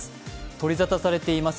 取りざたされています